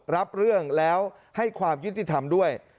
รับเรื่องแล้วให้ความยุติธรรมด้วย